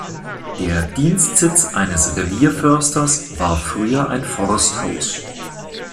Der Dienstsitz eines Revierförsters war früher ein Forsthaus.